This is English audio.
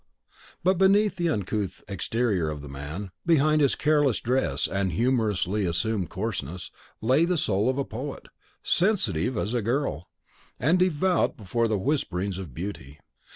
But beneath the uncouth exterior of the man, behind his careless dress and humorously assumed coarseness, lay the soul of a poet sensitive as a girl, and devout before the whisperings of Beauty.